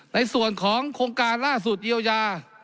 ในส่วนของโครงการล่าสุดเยียวยา